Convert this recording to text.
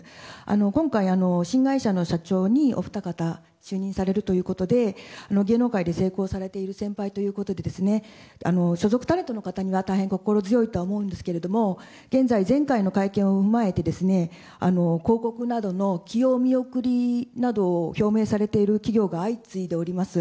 今回、新会社の社長にお二方、就任されるということで芸能界で成功されている先輩ということで所属タレントの方には大変心強いと思うんですが現在、前回の会見を踏まえて広告などの起用見送りなどを表明されている企業が相次いでおります。